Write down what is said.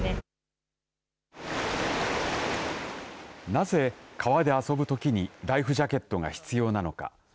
なぜ川で遊ぶときにライフジャケットが必要なのか。